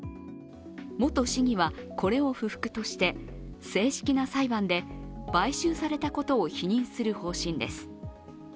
元市議はこれを不服として正式な裁判で買収されたことを否認する方針です。